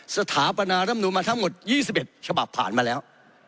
สถาปนาร่ำนูนมาทั้งหมด๒๑ฉบับผ่านมาแล้ว